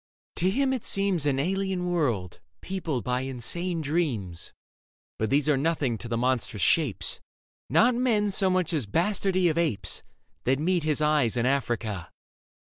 To him it seems An alien world, peopled by insane dreams. But these are nothing to the monstrous shapes — Not men so much as bastardy of apes — That meet his eyes in Africa.